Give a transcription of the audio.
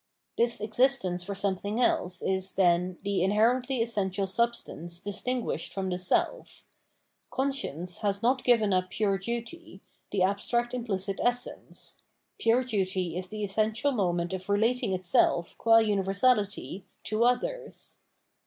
This existence for something else is, then, the in herently essential substance distinguished from the self. Conscience has not given up pure duty, the abstract implicit essence : pure duty is the essential moment of relating itself, qua universality, to others.